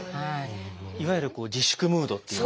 いわゆる自粛ムードっていう。